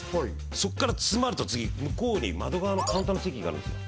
そっから詰まると次向こうに窓側のカウンターの席があるんですよ